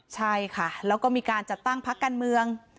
ใช่ค่ะแล้วก็มีการจัดตั้งพักการเมือง